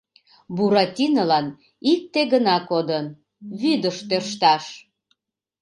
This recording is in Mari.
Буратинолан икте гына кодын — вӱдыш тӧршташ.